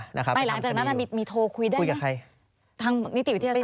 หลังจากนั้นมีโทรคุยได้ไหมทางนิติวิทยาศาสตร์คุยกับใคร